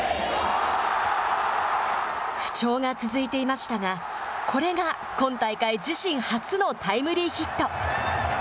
不調が続いていましたが、これが今大会自身初のタイムリーヒット。